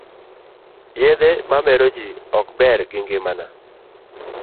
Yedhe maeroji ok ber gi ngimana.